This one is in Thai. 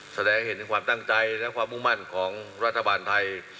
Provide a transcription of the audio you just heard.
แสดงเห็นถึงความตั้งใจและความมุ่งมั่นของรัฐบาลไทย